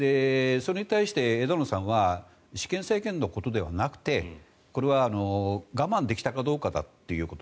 それに対して枝野さんは私権制限のことではなくてこれは我慢できたかどうかということ。